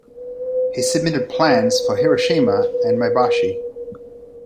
He submitted plans for Hiroshima and Maebashi.